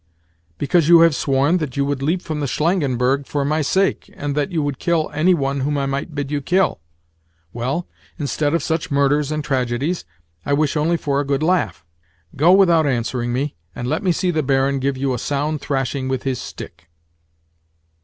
"Because you have sworn that you would leap from the Shlangenberg for my sake, and that you would kill any one whom I might bid you kill. Well, instead of such murders and tragedies, I wish only for a good laugh. Go without answering me, and let me see the Baron give you a sound thrashing with his stick."